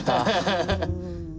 ハハハハ。